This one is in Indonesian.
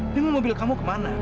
dengan mobil kamu kemana